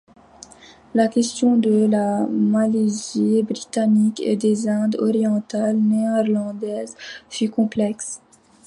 La question de la Malaisie britannique et des Indes orientales néerlandaises fut complexe.